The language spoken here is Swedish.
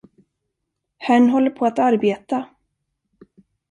Herrn håller på att arbeta.